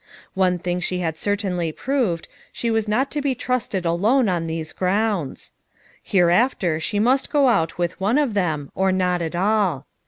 One thing she had certainly proved; she was not to be trusted alone on these grounds. Hereafter she must go out with one of them, or not at all.